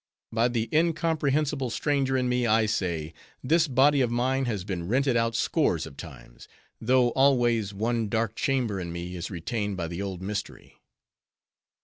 By the incomprehensible stranger in me, I say, this body of mine has been rented out scores of times, though always one dark chamber in me is retained by the old mystery."